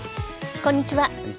こんにちは。